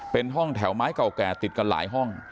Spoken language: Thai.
เป็นห้องแถวไม้เก่าแก่ติดกันหลายห้อง